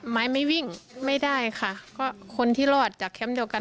ไม้ไม่วิ่งไม่ได้ค่ะก็คนที่รอดจากแคมป์เดียวกัน